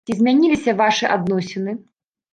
Ці змяніліся вашы адносіны?